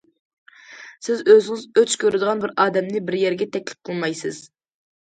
سىز ئۆزىڭىز ئۆچ كۆرىدىغان بىر ئادەمنى بىر يەرگە تەكلىپ قىلمايسىز.